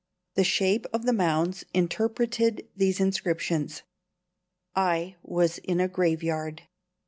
The shape of the mounds interpreted these inscriptions. I was in a graveyard.